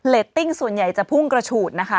ตติ้งส่วนใหญ่จะพุ่งกระฉูดนะคะ